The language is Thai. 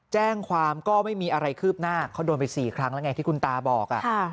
แจ้งความก็ไม่มีอะไรคืบหน้าเขาโดนไป๔ครั้งแล้วไงที่คุณตาบอก